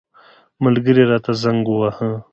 ملګري راته زنګ وواهه.